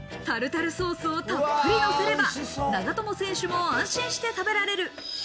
タルタルソースをたっぷり乗せれば、長友選手も安心して食べられる。